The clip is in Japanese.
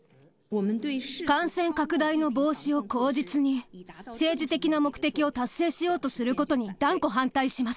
感染拡大の防止を口実に、政治的な目的を達成しようとすることに、断固反対します。